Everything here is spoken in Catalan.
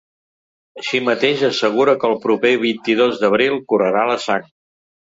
Així mateix, assegura que el proper vint-i-dos d’abril “correrà la sang”.